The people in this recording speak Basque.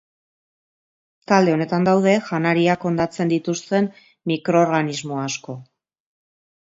Talde honetan daude janariak hondatzen dituzten mikroorganismo asko.